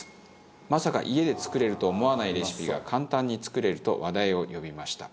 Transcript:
まさか家で作れると思わないレシピが簡単に作れると話題を呼びました。